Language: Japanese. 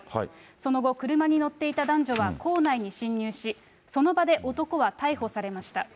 その後、車に乗っていた男女は校内に侵入し、その場で男は逮捕されました。